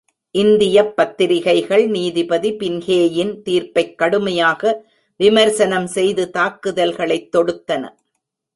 இந்தியப் பத்திரிகைகள் நீதிபதி பின்ஹேயின் தீர்ப்பைக் கடுமையாக விமரிசனம் செய்து தாக்குதல்களைத் தொடுத்தன.